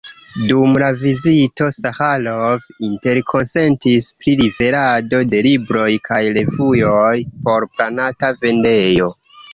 Dum la vizito Saĥarov interkonsentis pri liverado de libroj kaj revuoj por planata vendejo.